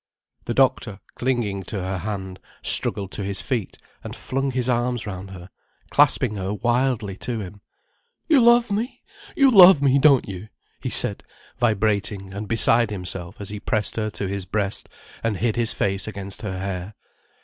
The doctor, clinging to her hand, struggled to his feet and flung his arms round her, clasping her wildly to him. "You love me! You love me, don't you?" he said, vibrating and beside himself as he pressed her to his breast and hid his face against her hair.